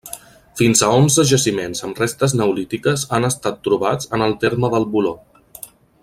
Fins a onze jaciments amb restes neolítiques han estat trobats en el terme del Voló.